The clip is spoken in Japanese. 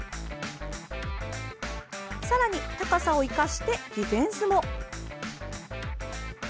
さらに、高さを生かしてディフェンスも。